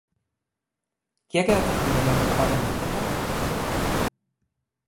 Qui ha quedat en primer lloc a Baden-Württemberg?